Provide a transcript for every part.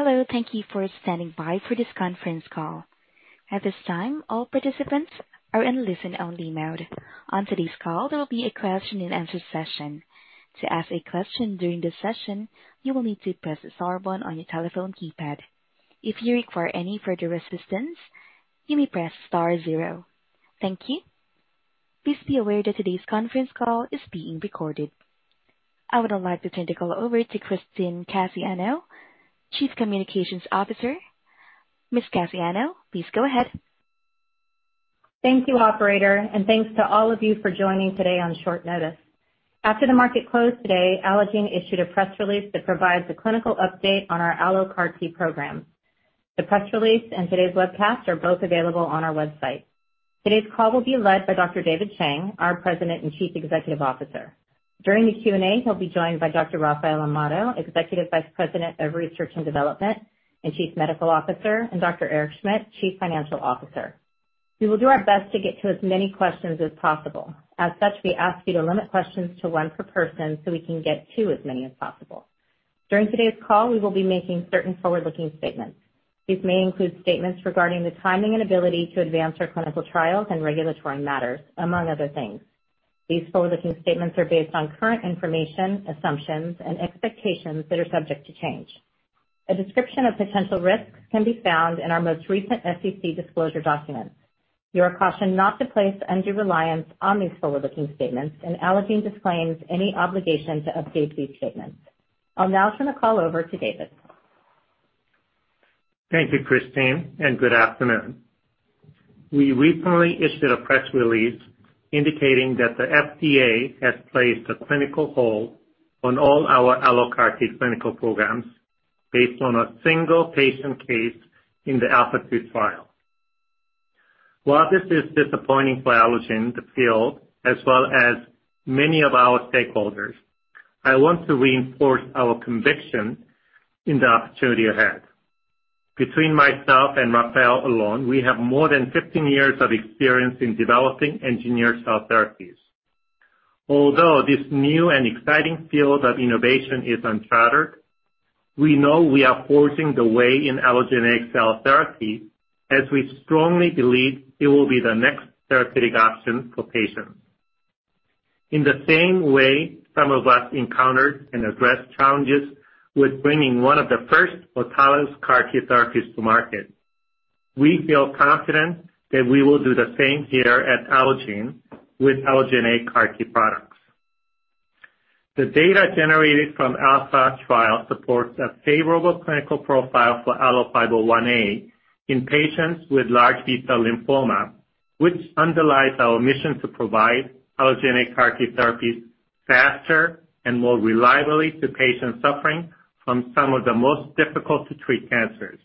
I would now like to turn the call over to Christine Cassiano, Chief Communications Officer. Ms. Cassiano, please go ahead. Thank you, operator, and thanks to all of you for joining today on short notice. After the market closed today, Allogene issued a press release that provides a clinical update on our AlloCAR T program. The press release and today's webcast are both available on our website. Today's call will be led by Dr. David Chang, our President and Chief Executive Officer. During the Q&A, he will be joined by Dr. Rafael Amado, Executive Vice President of Research and Development and Chief Medical Officer, and Dr. Eric Schmidt, Chief Financial Officer. We will do our best to get to as many questions as possible. We ask you to limit questions to one per person so we can get to as many as possible. During today's call, we will be making certain forward-looking statements. These may include statements regarding the timing and ability to advance our clinical trials and regulatory matters, among other things. These forward-looking statements are based on current information, assumptions, and expectations that are subject to change. A description of potential risks can be found in our most recent SEC disclosure documents. You are cautioned not to place undue reliance on these forward-looking statements, and Allogene disclaims any obligation to update these statements. I'll now turn the call over to David. Thank you, Christine. Good afternoon. We recently issued a press release indicating that the FDA has placed a clinical hold on all our AlloCAR T clinical programs based on a single patient case in the ALPHA2 trial. While this is disappointing for Allogene, the field, as well as many of our stakeholders, I want to reinforce our conviction in the opportunity ahead. Between myself and Rafael alone, we have more than 15 years of experience in developing engineered cell therapies. Although this new and exciting field of innovation is uncharted, we know we are forging the way in allogeneic cell therapy, as we strongly believe it will be the next therapeutic option for patients. In the same way some of us encountered and addressed challenges with bringing one of the first autologous CAR T therapies to market, we feel confident that we will do the same here at Allogene with allogeneic CAR T products. The data generated from ALPHA trial supports a favorable clinical profile for ALLO-501A in patients with large B-cell lymphoma, which underlies our mission to provide allogeneic CAR T therapies faster and more reliably to patients suffering from some of the most difficult-to-treat cancers.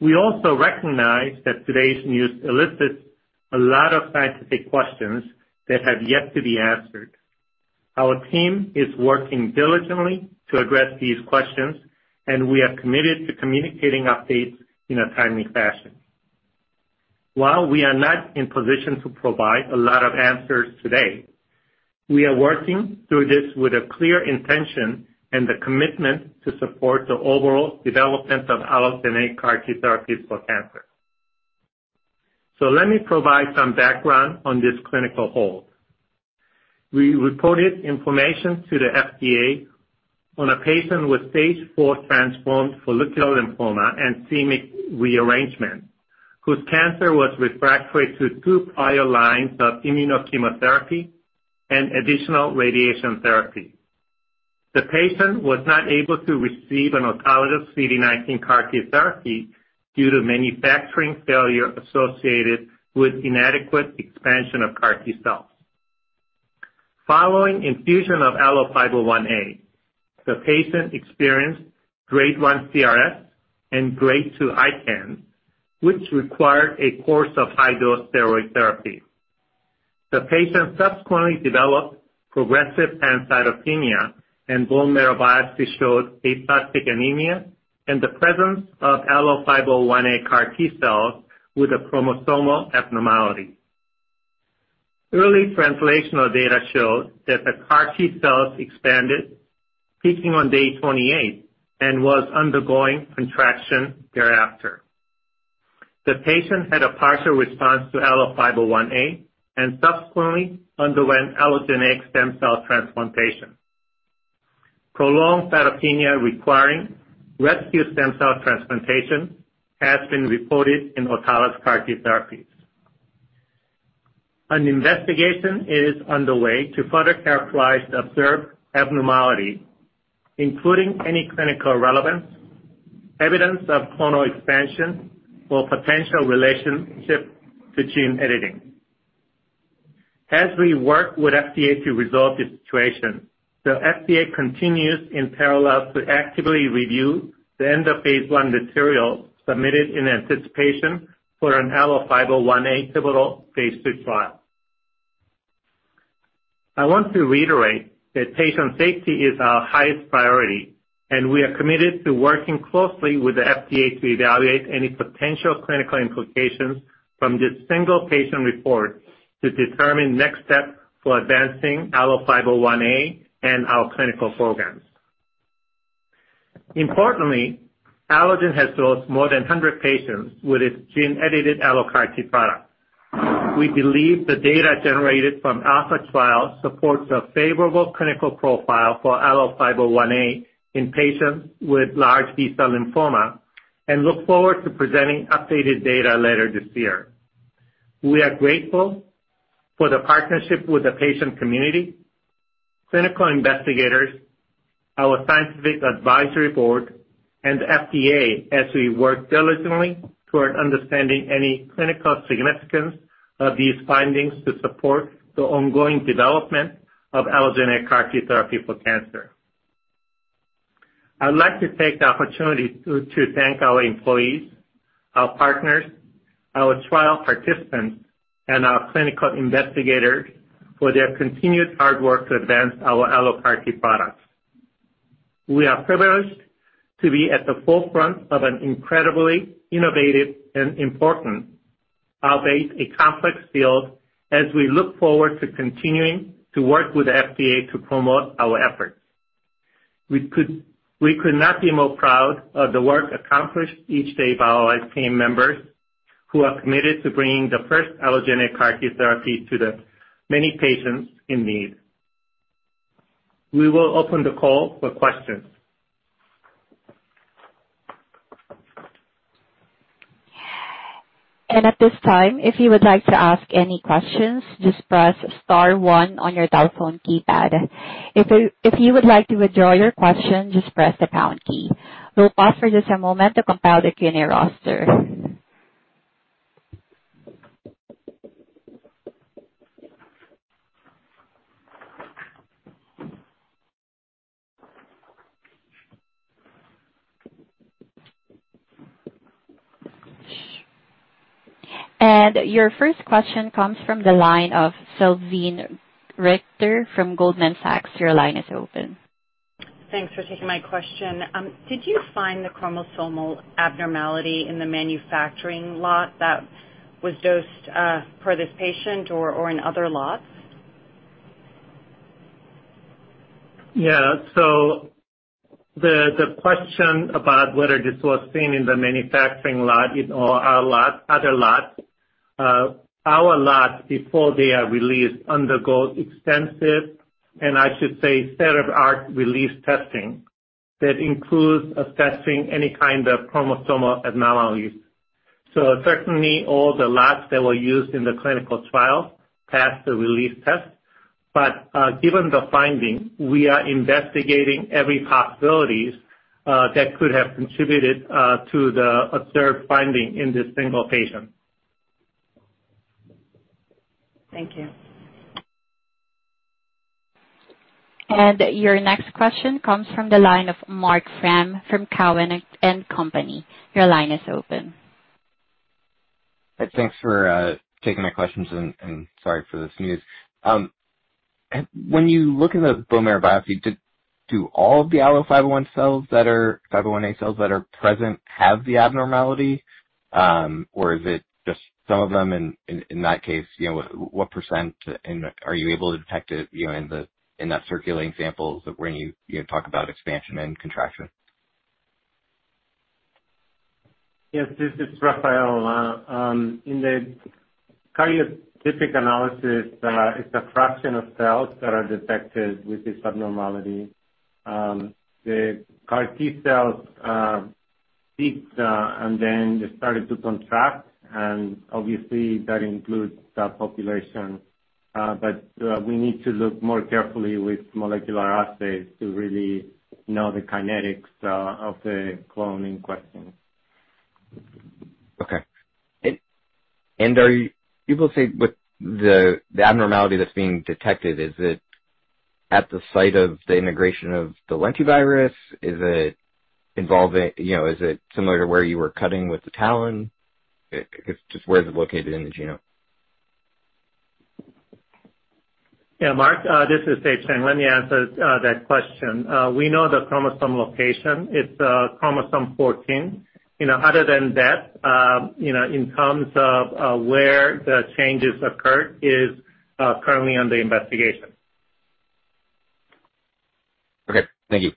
We also recognize that today's news elicits a lot of scientific questions that have yet to be answered. Our team is working diligently to address these questions, and we are committed to communicating updates in a timely fashion. While we are not in position to provide a lot of answers today, we are working through this with a clear intention and the commitment to support the overall development of allogeneic CAR T therapies for cancer. Let me provide some background on this clinical hold. We reported information to the FDA on a patient with Stage IV transformed follicular lymphoma and c-Myc rearrangement, whose cancer was refractory to two prior lines of immuno-chemotherapy and additional radiation therapy. The patient was not able to receive an autologous CD19 CAR T therapy due to manufacturing failure associated with inadequate expansion of CAR T cells. Following infusion of ALLO-501A, the patient experienced Grade 1 CRS and Grade 2 ICANS, which required a course of high-dose steroid therapy. The patient subsequently developed progressive pancytopenia, and bone marrow biopsy showed aplastic anemia and the presence of ALLO-501A CAR T cells with a chromosomal abnormality. Early translational data showed that the CAR T cells expanded, peaking on day 28, and was undergoing contraction thereafter. The patient had a partial response to ALLO-501A and subsequently underwent allogeneic stem cell transplantation. Prolonged cytopenia requiring rescue stem cell transplantation has been reported in autologous CAR T therapies. An investigation is underway to further characterize the observed abnormality, including any clinical relevance, evidence of clonal expansion, or potential relationship to gene editing. As we work with FDA to resolve this situation, the FDA continues in parallel to actively review the end of phase I material submitted in anticipation for an ALLO-501A pivotal phase II trial. I want to reiterate that patient safety is our highest priority. We are committed to working closely with the FDA to evaluate any potential clinical implications from this single-patient report to determine next steps for advancing ALLO-501A and our clinical programs. Importantly, Allogene has dosed more than 100 patients with its gene-edited AlloCAR T product. We believe the data generated from ALPHA trial supports a favorable clinical profile for ALLO-501A in patients with large B-cell lymphoma and look forward to presenting updated data later this year. We are grateful for the partnership with the patient community, clinical investigators, our scientific advisory board, and the FDA as we work diligently toward understanding any clinical significance of these findings to support the ongoing development of allogeneic CAR T therapy for cancer. I would like to take the opportunity to thank our employees, our partners, our trial participants, and our clinical investigators for their continued hard work to advance our AlloCAR T products. We are privileged to be at the forefront of an incredibly innovative and important, albeit a complex field, as we look forward to continuing to work with the FDA to promote our efforts. We could not be more proud of the work accomplished each day by our team members, who are committed to bringing the first allogeneic CAR T therapy to the many patients in need. We will open the call for questions. At this time, if you would like to ask any questions, just press star one on your telephone keypad. If you would like to withdraw your question, just press the pound key. Your first question comes from the line of Salveen Richter from Goldman Sachs. Your line is open. Thanks for taking my question. Did you find the chromosomal abnormality in the manufacturing lot that was dosed for this patient or in other lots? Yeah. The question about whether this was seen in the manufacturing lot or our other lots. Our lots, before they are released, undergo extensive, and I should say state-of-the-art release testing that includes assessing any kind of chromosomal anomalies. Certainly all the lots that were used in the clinical trial passed the release test. Given the finding, we are investigating every possibility that could have contributed to the observed finding in this single patient. Thank you. Your next question comes from the line of Marc Frahm from Cowen and Company. Your line is open. Thanks for taking my questions. Sorry for this news. When you look in the bone marrow biopsy, do all of the ALLO-501A cells that are present have the abnormality? Is it just some of them? In that case, what percent, and are you able to detect it in that circulating samples when you talk about expansion and contraction? Yes, this is Rafael. In the karyotypic analysis, it's a fraction of cells that are detected with this abnormality. The CAR T cells peaked, and then they started to contract, and obviously that includes that population. We need to look more carefully with molecular assays to really know the kinetics of the clone in question. Okay. Are you people say with the abnormality that's being detected, is it at the site of the integration of the lentivirus? Is it similar to where you were cutting with the TALEN? Just where is it located in the genome? Yeah, Marc, this is Dave Chang. Let me answer that question. We know the chromosome location. It's chromosome 14. Other than that, in terms of where the changes occurred, is currently under investigation. Okay. Thank you.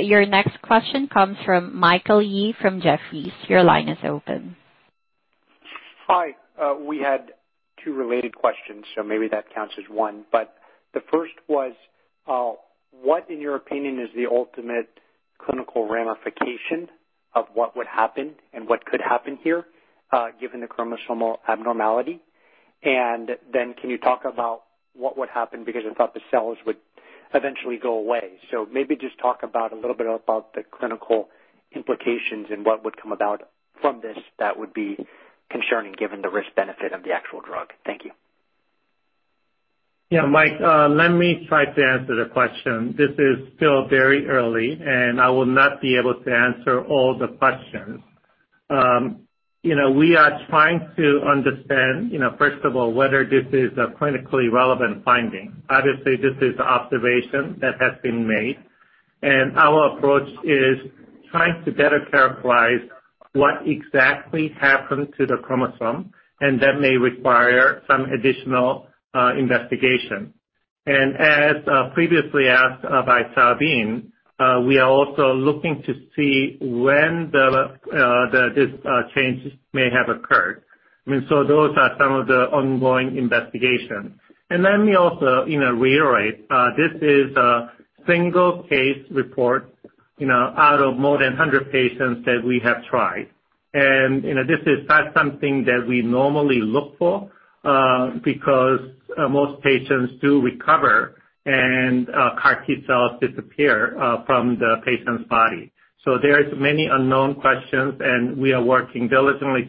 Your next question comes from Michael Yee from Jefferies. Your line is open. Hi. We had two related questions, maybe that counts as one. The first was, what, in your opinion, is the ultimate clinical ramification of what would happen and what could happen here, given the chromosomal abnormality? Can you talk about what would happen? I thought the cells would eventually go away. Maybe just talk about a little bit about the clinical implications and what would come about from this that would be concerning given the risk-benefit of the actual drug. Thank you. Yeah, Mike, let me try to answer the question. This is still very early. I will not be able to answer all the questions. We are trying to understand, first of all, whether this is a clinically relevant finding. Obviously, this is observation that has been made, and our approach is trying to better characterize what exactly happened to the chromosome, and that may require some additional investigation. As previously asked by Salveen, we are also looking to see when these changes may have occurred. Those are some of the ongoing investigation. Let me also reiterate, this is a single case report out of more than 100 patients that we have tried. This is not something that we normally look for, because most patients do recover, and CAR T cells disappear from the patient's body. There is many unknown questions, and we are working diligently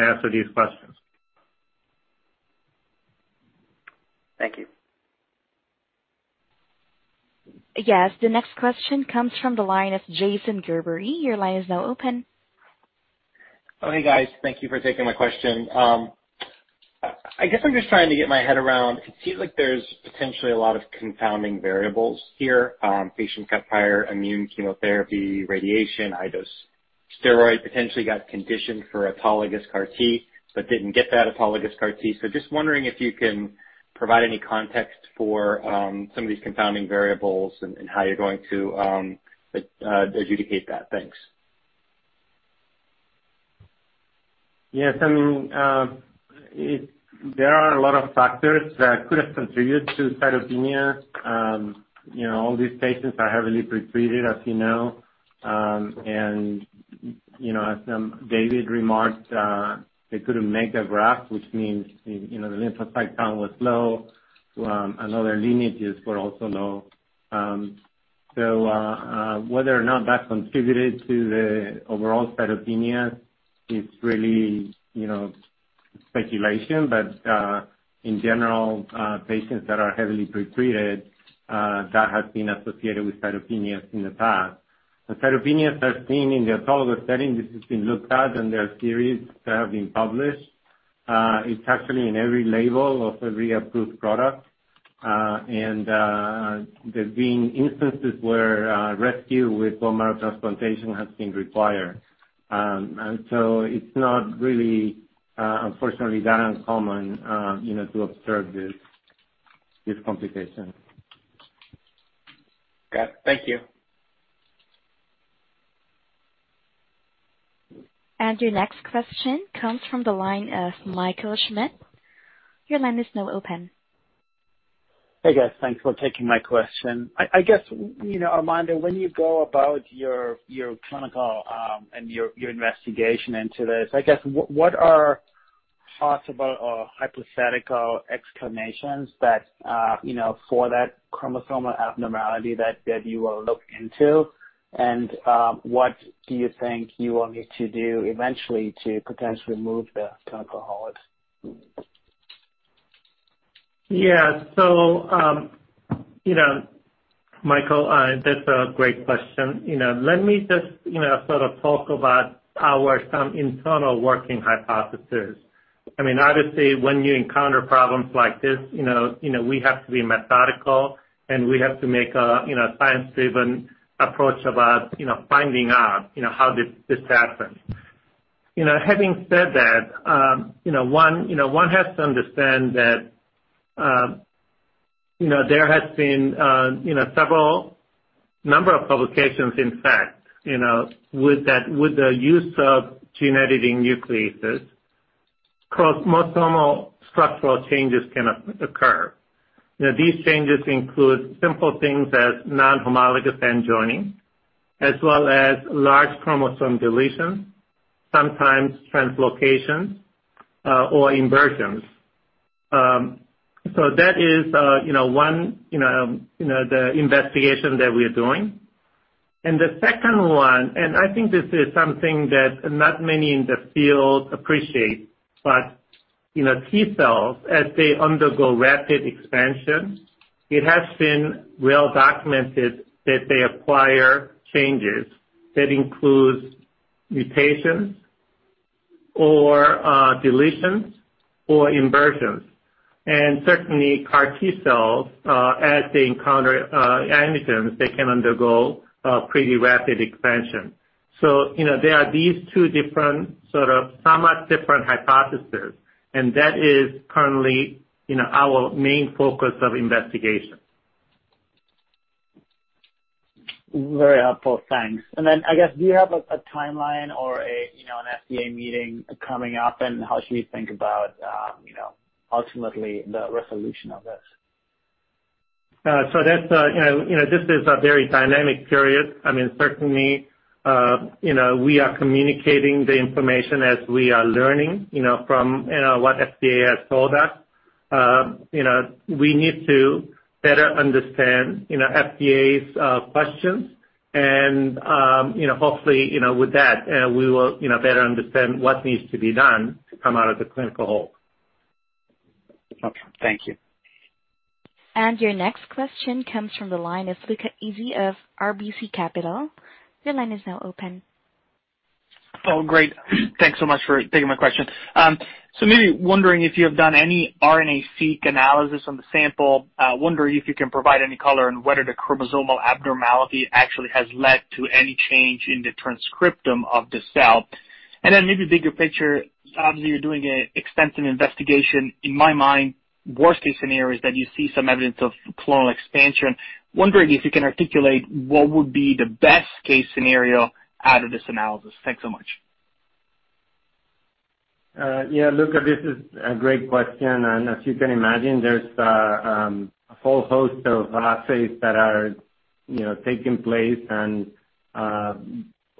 to answer these questions. Thank you. Yes. The next question comes from the line of Jason Gerberry. Your line is now open. Oh, hey, guys. Thank you for taking my question. I guess I'm just trying to get my head around. It seems like there's potentially a lot of confounding variables here. Patient got prior immune chemotherapy, radiation, high-dose steroids, potentially got conditioned for autologous CAR T, but didn't get that autologous CAR T. Just wondering if you can provide any context for some of these confounding variables and how you're going to adjudicate that. Thanks. Yes. There are a lot of factors that could have contributed to cytopenia. All these patients are heavily pretreated, as you know. As David remarked, they couldn't make a graft, which means the lymphocyte count was low, and other lineages were also low. Whether or not that contributed to the overall cytopenias, it's really speculation. In general, patients that are heavily pretreated, that has been associated with cytopenias in the past. Cytopenias are seen in the autologous setting. This has been looked at, and there are theories that have been published. It's actually in every label of every approved product. There's been instances where rescue with bone marrow transplantation has been required. It's not really, unfortunately, that uncommon to observe this complication. Got it. Thank you. Your next question comes from the line of Michael Schmidt. Your line is now open. Hey, guys. Thanks for taking my question. I guess, Rafael Amado, when you go about your clinical and your investigation into this, I guess, what are possible or hypothetical explanations for that chromosomal abnormality that you will look into? What do you think you will need to do eventually to potentially move the clinical hold? Yeah. Michael, that's a great question. Let me just sort of talk about our some internal working hypothesis. Obviously, when you encounter problems like this, we have to be methodical, and we have to make a science-driven approach about finding out how this happened. Having said that, one has to understand that there has been several number of publications, in fact, with the use of gene editing nucleases, chromosomal structural changes can occur. These changes include simple things as non-homologous end joining, as well as large chromosome deletions, sometimes translocations, or inversions. That is one investigation that we're doing. The second one, and I think this is something that not many in the field appreciate, but T cells, as they undergo rapid expansion, it has been well documented that they acquire changes that includes mutations or deletions or inversions. Certainly, CAR T cells, as they encounter antigens, they can undergo a pretty rapid expansion. There are these two different sort of somewhat different hypotheses, and that is currently our main focus of investigation. Very helpful. Thanks. I guess, do you have a timeline or an FDA meeting coming up, and how should we think about, ultimately, the resolution of this? This is a very dynamic period. Certainly, we are communicating the information as we are learning from what FDA has told us. We need to better understand FDA's questions and, hopefully, with that, we will better understand what needs to be done to come out of the clinical hold. Okay. Thank you. Your next question comes from the line of Luca Issi of RBC Capital Markets. Your line is now open. Oh, great. Thanks so much for taking my question. Maybe wondering if you have done any RNA-seq analysis on the sample. Wondering if you can provide any color on whether the chromosomal abnormality actually has led to any change in the transcriptome of the cell. Maybe bigger picture, obviously, you're doing an extensive investigation. In my mind, worst case scenario is that you see some evidence of clonal expansion. Wondering if you can articulate what would be the best case scenario out of this analysis. Thanks so much. Yeah. Luca, this is a great question. As you can imagine, there's a whole host of assays that are taking place and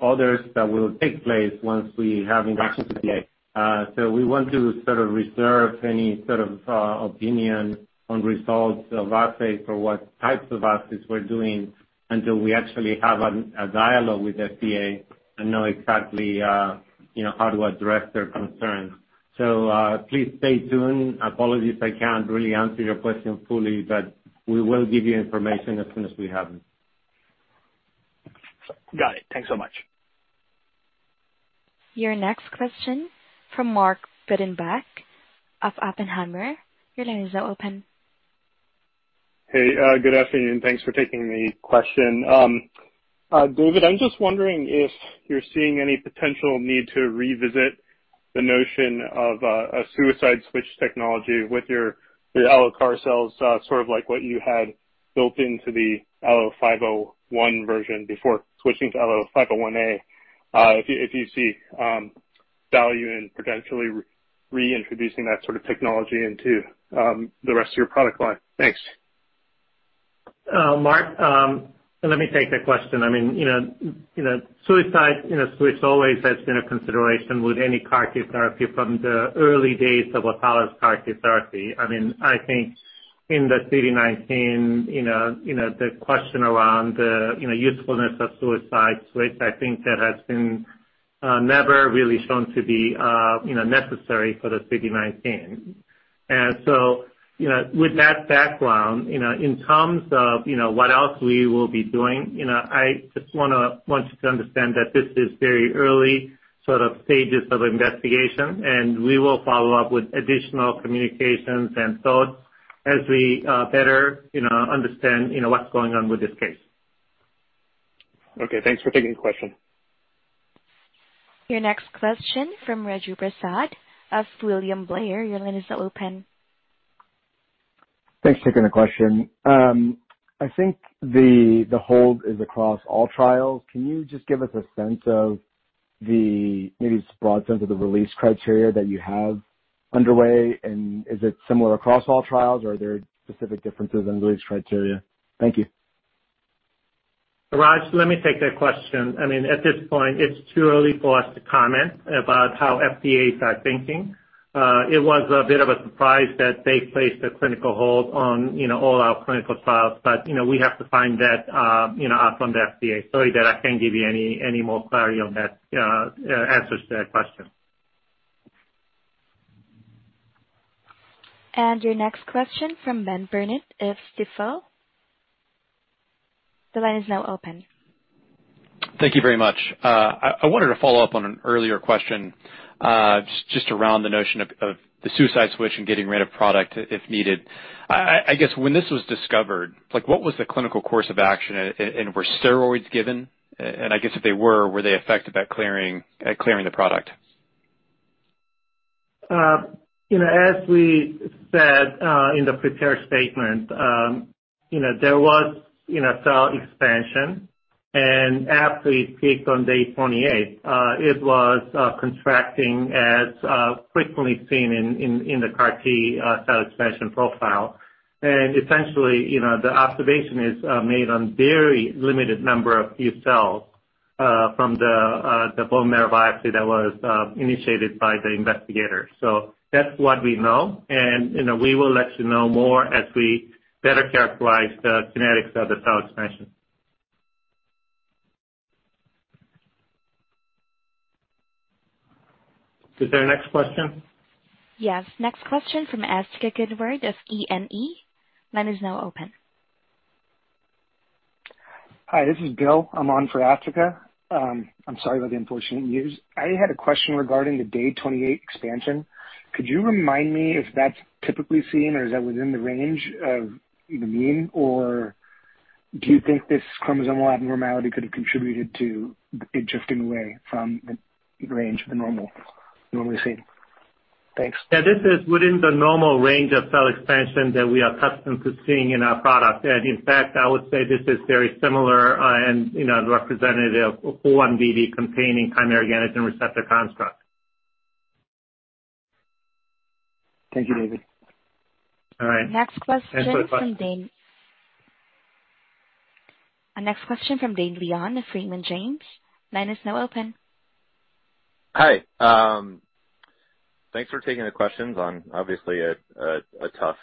others that will take place once we have interaction with the FDA. We want to sort of reserve any sort of opinion on results of assays or what types of assays we're doing until we actually have a dialogue with FDA and know exactly how to address their concerns. Please stay tuned. Apologies, I can't really answer your question fully, but we will give you information as soon as we have it. Got it. Thanks so much. Your next question from Mark Breidenbach of Oppenheimer. Your line is now open. Hey, good afternoon. Thanks for taking the question. David, I'm just wondering if you're seeing any potential need to revisit the notion of a suicide switch technology with your AlloCAR cells, sort of like what you had built into the ALLO-501 version before switching to ALLO-501A. If you see value in potentially reintroducing that sort of technology into the rest of your product line? Thanks. Mark, let me take that question. Suicide switch always has been a consideration with any CAR T therapy from the early days of autologous CAR T therapy. I think in the CD19, the question around the usefulness of suicide switch, I think that has been never really shown to be necessary for the CD19. With that background, in terms of what else we will be doing, I just want you to understand that this is very early sort of stages of investigation, and we will follow up with additional communications and thoughts as we better understand what's going on with this case. Okay, thanks for taking the question. Your next question from Raju Prasad of William Blair. Your line is now open. Thanks for taking the question. I think the hold is across all trials. Can you just give us a sense of the, maybe broad sense of the release criteria that you have underway, and is it similar across all trials, or are there specific differences in release criteria? Thank you. Raj, let me take that question. At this point, it's too early for us to comment about how FDA is thinking. It was a bit of a surprise that they placed a clinical hold on all our clinical trials. We have to find that out from the FDA. Sorry that I can't give you any more clarity on that, answers to that question. Your next question from Benjamin Burnett of Stifel. The line is now open. Thank you very much. I wanted to follow up on an earlier question, just around the notion of the suicide switch and getting rid of product if needed. I guess when this was discovered, what was the clinical course of action, and were steroids given? I guess if they were they effective at clearing the product? As we said in the prepared statement, there was cell expansion. After it peaked on day 28, it was contracting as frequently seen in the CAR T cell expansion profile. Essentially, the observation is made on very limited number of T cells from the bone marrow biopsy that was initiated by the investigator. That's what we know. We will let you know more as we better characterize the kinetics of the cell expansion. Is there a next question? Yes. Next question from Asthika Goonewardene of Truist Securities. Line is now open. Hi, this is Bill. I'm on for Asthika Goonewardene. I'm sorry about the unfortunate news. I had a question regarding the day 28 expansion. Could you remind me if that's typically seen, or is that within the range of the mean, or do you think this chromosomal abnormality could have contributed to it shifting away from the range of the normally seen? Thanks. Yeah, this is within the normal range of cell expansion that we are accustomed to seeing in our product. In fact, I would say this is very similar and representative of 4-1BB containing chimeric antigen receptor construct. Thank you, David. All right. Next question from Daina. Thanks for the question. Our next question from Daina Graybosch of Leerink Partners. Line is now open. Hi. Thanks for taking the questions on obviously a tough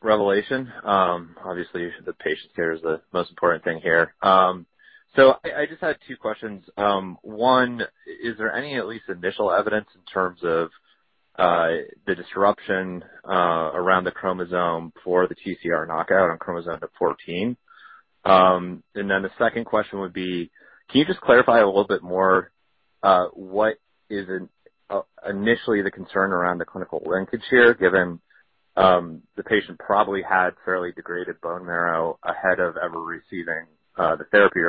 revelation. Obviously, the patient care is the most important thing here. I just had two questions. One, is there any, at least, initial evidence in terms of the disruption around the chromosome for the TCR knockout on chromosome 14? The second question would be, can you just clarify a little bit more what is initially the concern around the clinical linkage here, given the patient probably had fairly degraded bone marrow ahead of ever receiving the therapy.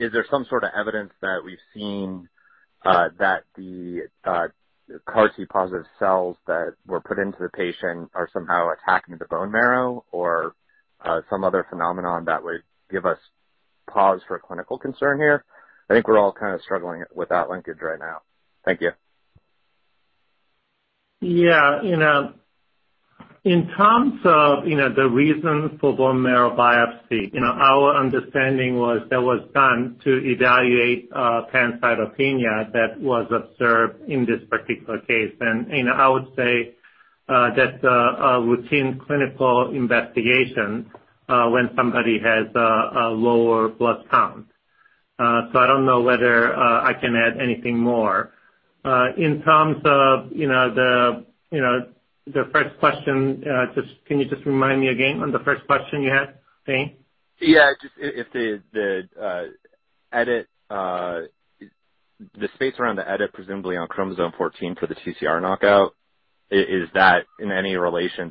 Is there some sort of evidence that we've seen that the CAR T positive cells that were put into the patient are somehow attacking the bone marrow or some other phenomenon that would give us pause for clinical concern here? I think we're all kind of struggling with that linkage right now. Thank you. Yeah. In terms of the reason for bone marrow biopsy, our understanding was that was done to evaluate pancytopenia that was observed in this particular case. I would say that's a routine clinical investigation when somebody has a lower blood count. I don't know whether I can add anything more. In terms of the first question, can you just remind me again on the first question you had, Daina? Yeah. If the space around the edit, presumably on chromosome 14 for the TCR knockout, is that in any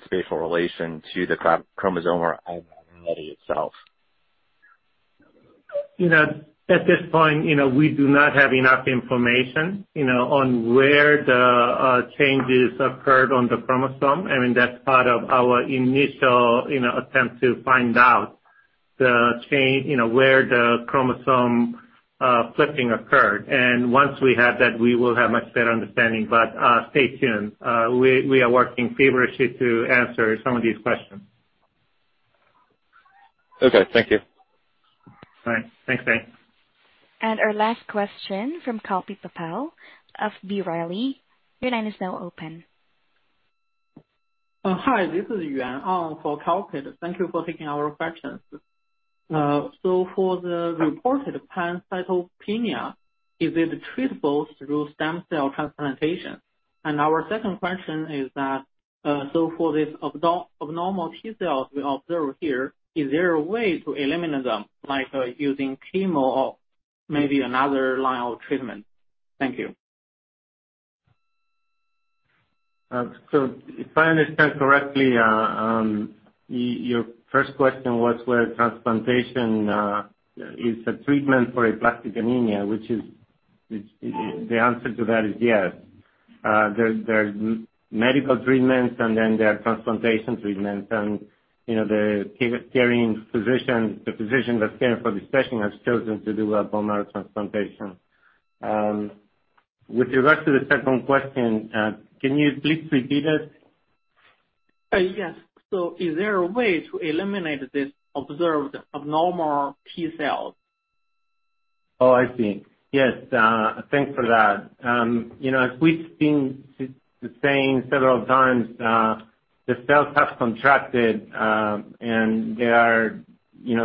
spatial relation to the chromosomal abnormality itself? At this point, we do not have enough information on where the changes occurred on the chromosome. That's part of our initial attempt to find out where the chromosome flipping occurred. Once we have that, we will have much better understanding. Stay tuned. We are working feverishly to answer some of these questions. Okay. Thank you. All right. Thanks, Daina. Our last question from Kalpit Patel of B. Riley. Your line is now open. Hi, this is Yuan on for Kalpit. Thank you for taking our questions. For the reported pancytopenia, is it treatable through stem cell transplantation? Our second question is that, for these abnormal T-cells we observe here, is there a way to eliminate them, like using chemo or maybe another line of treatment? Thank you. If I understand correctly. Your first question was whether transplantation is a treatment for aplastic anemia, which the answer to that is yes. There are medical treatments, and then there are transplantation treatments. The physician that's caring for this patient has chosen to do a bone marrow transplantation. With regards to the second question, can you please repeat it? Yes. Is there a way to eliminate this observed abnormal T-cell? I see. Yes. Thanks for that. As we've been saying several times, the cells have contracted, and they are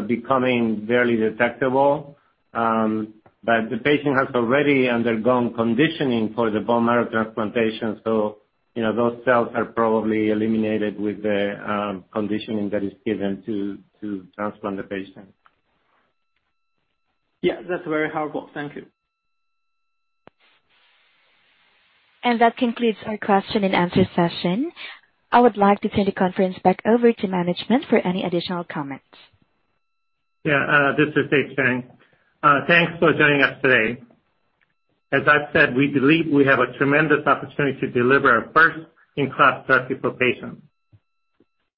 becoming barely detectable. The patient has already undergone conditioning for the bone marrow transplantation, those cells are probably eliminated with the conditioning that is given to transplant the patient. Yeah, that's very helpful. Thank you. That concludes our question and answer session. I would like to turn the conference back over to management for any additional comments. Yeah, this is Dave Chang. Thanks for joining us today. As I've said, we believe we have a tremendous opportunity to deliver a first-in-class therapy for patients.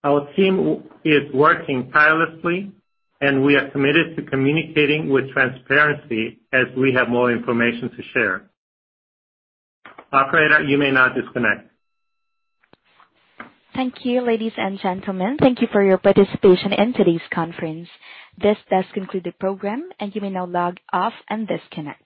Our team is working tirelessly, and we are committed to communicating with transparency as we have more information to share. Operator, you may now disconnect. Thank you, ladies and gentlemen. Thank you for your participation in today's conference. This does conclude the program, and you may now log off and disconnect.